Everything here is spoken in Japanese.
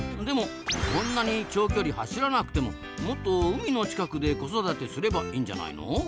でもこんなに長距離走らなくてももっと海の近くで子育てすればいいんじゃないの？